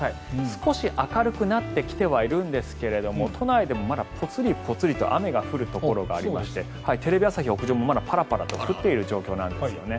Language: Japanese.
少し明るくなってきてはいるんですけれども都内でもまだぽつりぽつりと雨が降るところがありましてテレビ朝日屋上もまだパラパラと降っている状況なんですよね。